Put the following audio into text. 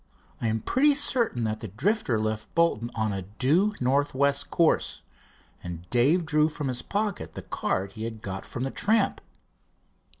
I am pretty certain that the Drifter left Bolton on a due northwest course," and Dave drew from his pocket the card he had got from the tramp.